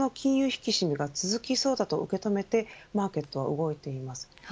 引き締めが続きそうだと受け止めてマーケットは動いています。